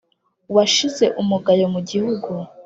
Washize umugayo mu gihugu